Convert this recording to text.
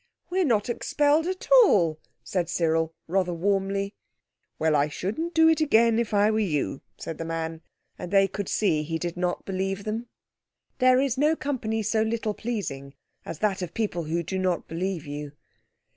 "We're not expelled at all," said Cyril rather warmly. "Well, I shouldn't do it again, if I were you," said the man, and they could see he did not believe them. There is no company so little pleasing as that of people who do not believe you.